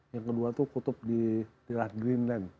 yang kedua itu kutub di daerah greenland